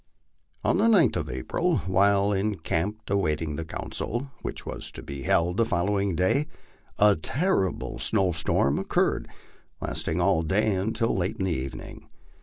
On the 9th of April, while encamped awaiting the council, which was to be held the following day, a terrible snow storm occurred, lasting all day until late in the evening.